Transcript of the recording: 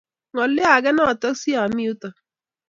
Ngolio age notok sa mie yutok